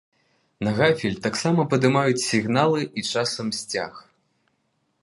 На гафель таксама падымаюць сігналы і часам сцяг.